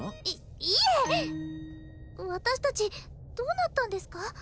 いいえ私達どうなったんですか？